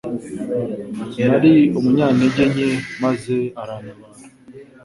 nari umunyantege nke maze arantabara